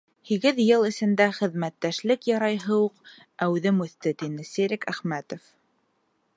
— Һигеҙ йыл эсендә хеҙмәттәшлек ярайһы уҡ әүҙем үҫте, — тине Серик Әхмәтов.